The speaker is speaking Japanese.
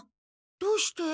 どうして？